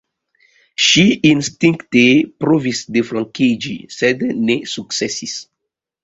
Ŝi instinkte provis deflankiĝi, sed ne sukcesis.